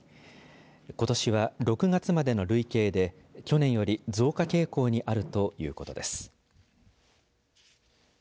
ことしは６月までの累計で去年より増加傾向にあるということです。